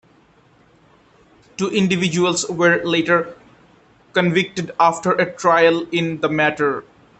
Two individuals were later convicted after a trial in the matter.